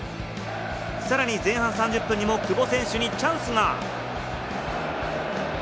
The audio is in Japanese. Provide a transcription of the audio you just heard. さらに前半３０分にも久保選手にチャンスが。